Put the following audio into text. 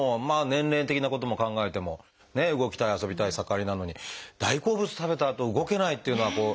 年齢的なことも考えてもね動きたい遊びたい盛りなのに大好物食べたあと動けないっていうのは。